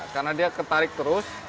karena dia ketarik terus